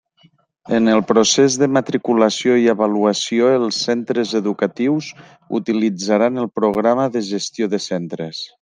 En el procés de matriculació i avaluació els centres educatius utilitzaran el Programa de Gestió de Centres.